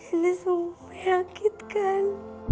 ini semua meyangkitkan